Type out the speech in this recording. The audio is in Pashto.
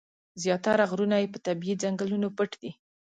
زیاتره غرونه یې په طبیعي ځنګلونو پټ دي.